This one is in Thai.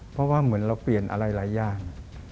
เพราะว่าเหมือนเราเปลี่ยนอะไรหลายอย่าง